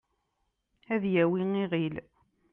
ad yawi iɣil